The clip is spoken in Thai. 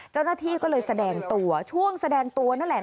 เจ้าหน้าที่ก็เลยแสดงตัวช่วงแสดงตัวนั่นแหละ